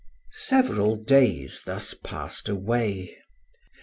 Several days thus passed away.